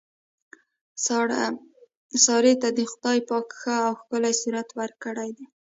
سارې ته خدای پاک ښه او ښکلی صورت ورکړی دی.